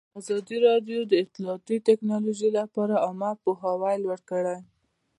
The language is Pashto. ازادي راډیو د اطلاعاتی تکنالوژي لپاره عامه پوهاوي لوړ کړی.